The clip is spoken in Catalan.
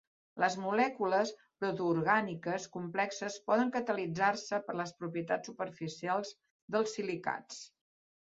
Les molècules protoorgàniques complexes poden catalitzar-se per les propietats superficials dels silicats.